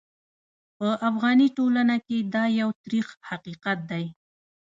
په افغاني ټولنه کې دا یو ترخ حقیقت دی.